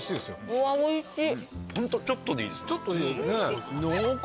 うわおいしい。